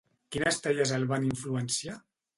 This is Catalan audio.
Quines talles el van influenciar?